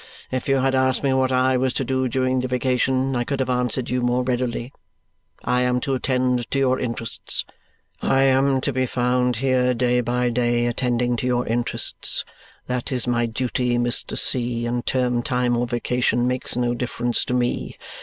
If you had asked me what I was to do during the vacation, I could have answered you more readily. I am to attend to your interests. I am to be found here, day by day, attending to your interests. That is my duty, Mr. C., and term time or vacation makes no difference to me.